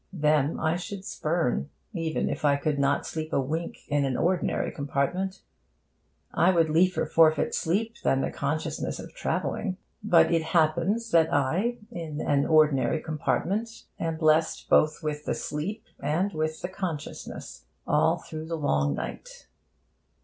Them I should spurn even if I could not sleep a wink in an ordinary compartment. I would liefer forfeit sleep than the consciousness of travelling. But it happens that I, in an ordinary compartment, am blest both with the sleep and with the consciousness, all through the long night.